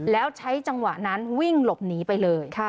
แล้วใช้จังหวะนั้นวิ่งหลบหนีไปเลย